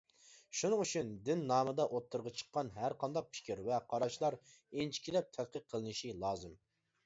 شۇنىڭ ئۈچۈن دىن نامىدا ئوتتۇرىغا چىققان ھەر قانداق پىكىر ۋە قاراشلار ئىنچىكىلەپ تەتقىق قىلىنىشى لازىم.